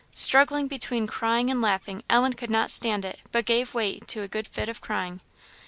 Struggling between crying and laughing Ellen could not stand it, but gave way to a good fit of crying.